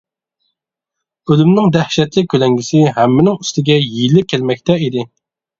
ئۆلۈمنىڭ دەھشەتلىك كۆلەڭگىسى ھەممىنىڭ ئۈستىگە يېيىلىپ كەلمەكتە ئىدى.